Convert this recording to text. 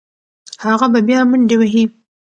هغه به بیا منډې وهي.